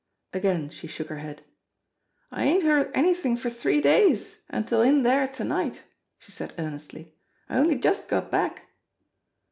Again she shook her head. "I ain't heard anythin' for three days until in dere to night," she said earnestly. "I only just got back."